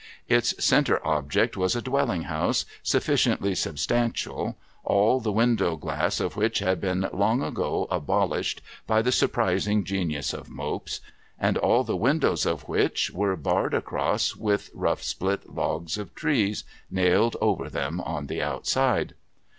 Its centre object was a dwelling house, sufficiently sub stantial, all the window glass of which had been long ago abolished by the surprising genius of Mopes, and all the windows of which were barred across with rough split logs of trees nailed over them on the outside.